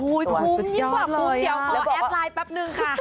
อุ้ยภูมิยิ่งกว่าภูมิเดี๋ยวขอแอดไลน์แป๊บหนึ่งค่ะ